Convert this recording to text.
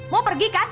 mau pergi kan